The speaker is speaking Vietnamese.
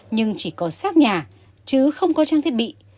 nhưng chỉ có sáp nhà chứ không có trang thiết bị